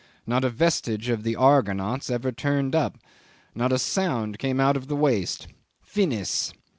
Not a vestige of the Argonauts ever turned up; not a sound came out of the waste. Finis!